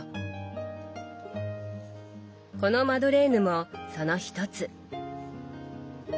このマドレーヌもその一つ。